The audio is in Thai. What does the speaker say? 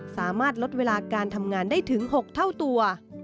สามารถลดเวลาการทำงานได้ถึง๖เท่าตัว